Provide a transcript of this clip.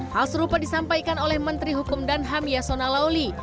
hal serupa disampaikan oleh menteri hukum dan ham yasona lawli